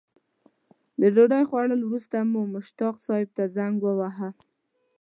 د ډوډۍ خوړلو وروسته مو مشتاق صیب ته زنګ وواهه.